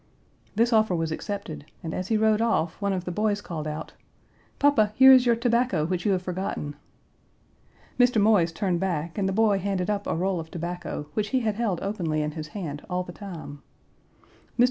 This offer was accepted, and, as he rode off, one of the boys called out, "Papa, here is your tobacco, which you have forgotten." Mr. Moise turned back and the boy handed up a roll of tobacco, which he had held openly in his hand all the time. Mr.